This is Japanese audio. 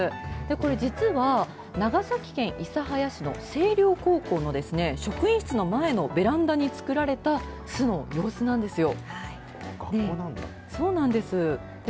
これ、実は長崎県諫早市の西陵高校のですね、職員室の前のベランダに作られた巣の様子なんですよ。